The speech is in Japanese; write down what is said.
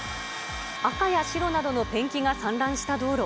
赤や白などのペンキが散乱した道路。